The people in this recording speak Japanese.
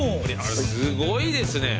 すごいですね。